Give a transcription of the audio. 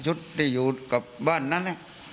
ชุดที่อยู่ค่ะบ้านนั้น